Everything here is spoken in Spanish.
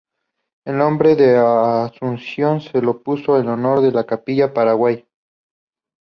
El nombre de Asunción, se lo puso en honor a la capital paraguaya.